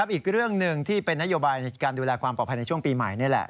อีกเรื่องหนึ่งที่เป็นนโยบายในการดูแลความปลอดภัยในช่วงปีใหม่นี่แหละ